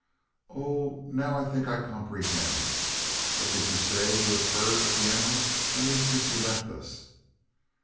"Oh now I I think I comprehend. But did you say you have heard of the animal I mean since you left us?"